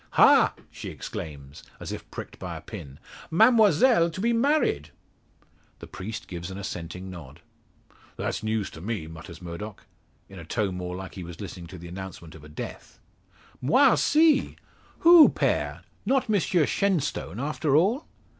"Ha!" she exclaims, as if pricked by a pin, "Mademoiselle to be married?" The priest gives an assenting nod. "That's news to me," mutters Murdock, in a tone more like he was listening to the announcement of a death. "Moi aussi! Who, Pere? Not Monsieur Shenstone, after all?"